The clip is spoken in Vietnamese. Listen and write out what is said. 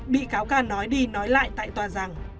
bị cáo ca nói đi nói lại tại tòa rằng